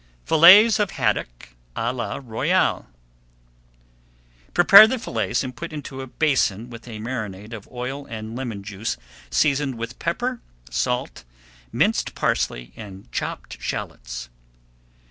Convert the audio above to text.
FILLETS OF HADDOCK À LA ROYALE Prepare the fillets and put into a basin with a marinade of oil and lemon juice, seasoned with pepper, salt, minced parsley and chopped shallots.